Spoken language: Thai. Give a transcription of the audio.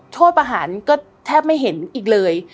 โทษประหารก็แทบไม่เห็นอีกเลย